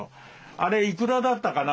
あれいくらだったかな？